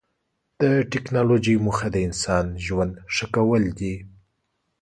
د ټکنالوجۍ موخه د انسان ژوند ښه کول دي.